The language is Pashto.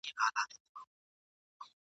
خو نه هسي چي زمری وو ځغلېدلی ..